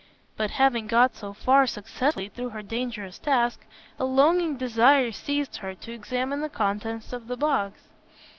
But having got so far successfully through her dangerous task, a longing desire seized her to examine the contents of the box.